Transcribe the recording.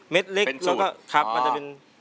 เม็ดเล็กแล้วก็มันจะเป็น